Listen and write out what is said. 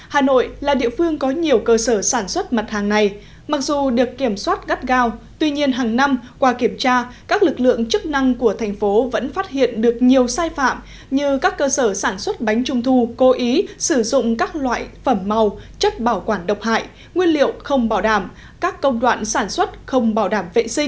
hà nội là địa phương có nhiều cơ sở sản xuất mặt hàng này mặc dù được kiểm soát gắt gao tuy nhiên hàng năm qua kiểm tra các lực lượng chức năng của thành phố vẫn phát hiện được nhiều sai phạm như các cơ sở sản xuất bánh trung thu cố ý sử dụng các loại phẩm màu chất bảo quản độc hại nguyên liệu không bảo đảm các công đoạn sản xuất không bảo đảm